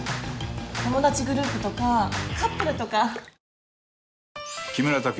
友達グループとかカップルとか。